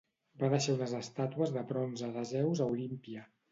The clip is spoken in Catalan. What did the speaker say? Va deixar unes estàtues de bronze de Zeus a Olímpia.